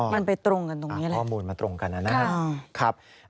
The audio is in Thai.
มันไปตรงกันตรงนี้แหละข้อมูลมันตรงกันนะครับ